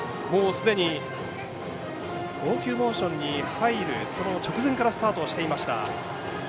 すでに、投球モーションに入る直前からスタートをしていました。